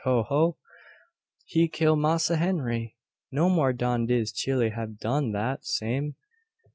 Ho, ho! He kill Massa Henry! no more dan dis chile hab done dat same.